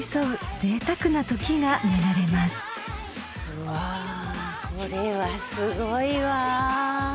うわこれはすごいわ。